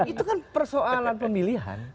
itu kan persoalan pemilihan